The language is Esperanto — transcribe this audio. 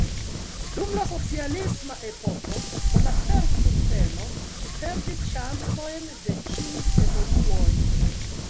Dum la socialisma epoko pro la fer-kurteno ĝi perdis ŝancojn de ĉiuj evoluoj.